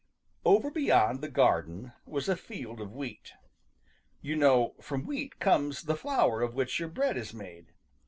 Over beyond the garden was a field of wheat. You know from wheat comes the flour of which your bread is made.